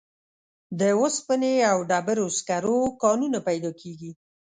د اوسپنې او ډبرو سکرو کانونه پیدا کیږي.